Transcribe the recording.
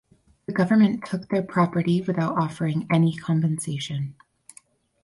The government took their property without offering any compensation.